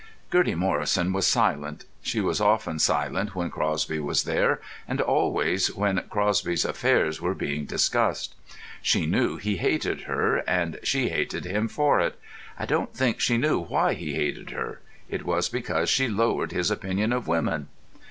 Gertie Morrison was silent. She was often silent when Crosby was there, and always when Crosby's affairs were being discussed. She knew he hated her, and she hated him for it. I don't think she knew why he hated her. It was because she lowered his opinion of women.